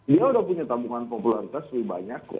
dia sudah punya tabungan populeritas lebih banyak